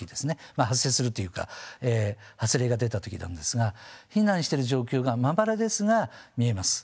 まあ発生するというか発令が出た時なんですが避難してる状況がまばらですが見えます。